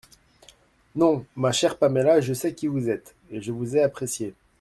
Non, ma chère Paméla… je sais qui vous êtes, et je vous ai appréciée…